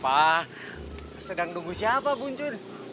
pak sedang nunggu siapa buncun